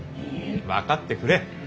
分かってくれ。